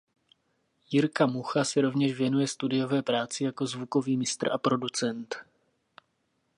Jirka Mucha se rovněž věnuje studiové práci jako zvukový mistr a producent.